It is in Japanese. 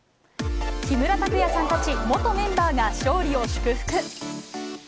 木村拓哉さんたち元メンバーが勝利を祝福。